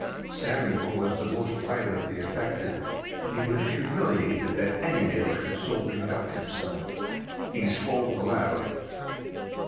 Samuel was the most violently affected. He was humiliated that any male should so conduct himself. He spoke aloud.